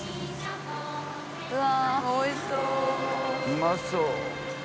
うまそう。